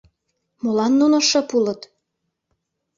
Молан нуно шып улыт?